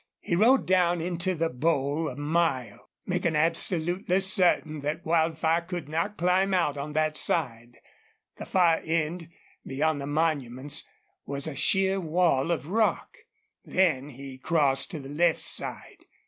He rode down into the bowl a mile, making absolutely certain that Wildfire could not climb out on that side. The far end, beyond the monuments, was a sheer wall of rock. Then he crossed to the left side.